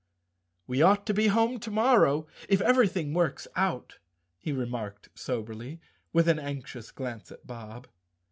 "We ought to be home to morrow, if everything works out," he remarked soberly, with an anxious glance at Bob.